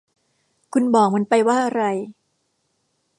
คุณบอกมันไปว่าอะไร